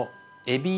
え？